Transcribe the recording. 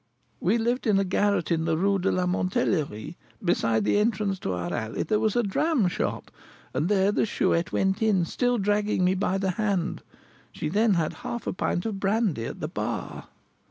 "We lived in a garret in the Rue de la Montellerie; beside the entrance to our alley there was a dram shop, and there the Chouette went in, still dragging me by the hand. She then had a half pint of brandy at the bar."